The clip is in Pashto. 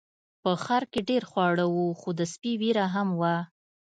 په ښار کې ډیر خواړه وو خو د سپي ویره هم وه.